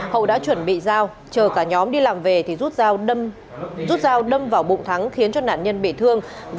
hậu đã chuẩn bị dao chờ cả nhóm đi làm về thì rút dao đâm vào bụng thắng